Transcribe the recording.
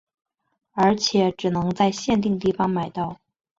而且只能在限定地方买到。